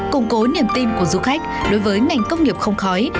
củng cố niềm tin của du khách đối với ngành công nghiệp không khói